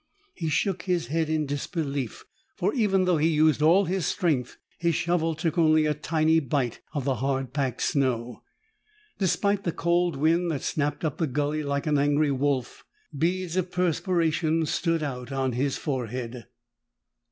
He shook his head in disbelief for, even though he used all his strength, his shovel took only a tiny bite of the hard packed snow. Despite the cold wind that snapped up the gulley like an angry wolf, beads of perspiration stood out on his forehead....